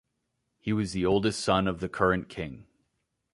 He was the oldest son of the current king.